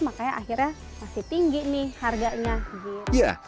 makanya akhirnya masih tinggi nih harganya gitu